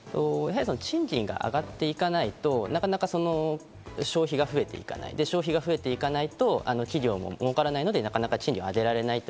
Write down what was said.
賃金が上がっていかないと、なかなか消費が増えていかない、消費が増えていかないと企業も儲からないので、なかなか賃金を上げられない。